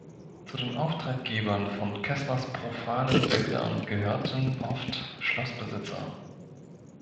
Zu den Auftraggebern von Kesslers profanen Bildern gehörten oft Schlossbesitzer.